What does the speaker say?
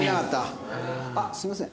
あっすいません